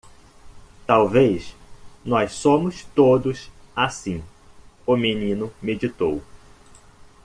Talvez nós somos todos assim? o menino meditou.